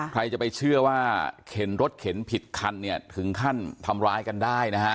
ใครจะไปเชื่อว่าเข็นรถเข็นผิดคันเนี่ยถึงขั้นทำร้ายกันได้นะฮะ